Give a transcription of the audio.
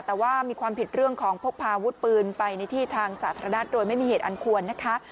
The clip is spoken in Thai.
แต่ว่ามีความผิดเรื่องของพกพาอาวุธปืนไปในที่ทางสาธารณะโดยไม่มีเหตุอันควรนะคะ